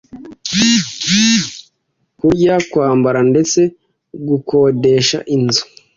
kurya, kwambara ndetse gukodesha inzu,